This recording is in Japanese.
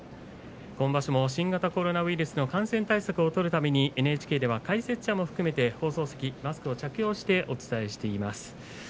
今場所も新型コロナウイルスの感染対策を取るためにＮＨＫでは解説者も含めて放送席、マスクを着用してお伝えしています。